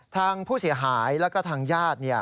ทางผู้เสียหายแล้วก็ทางญาติ